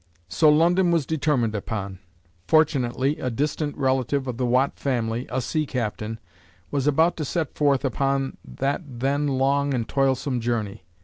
So London was determined upon. Fortunately, a distant relative of the Watt family, a sea captain, was about to set forth upon that then long and toilsome journey.